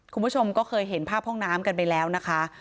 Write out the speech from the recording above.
คุณผู้ชมก็เคยเห็นภาพห้องน้ำกันไปแล้วนะคะ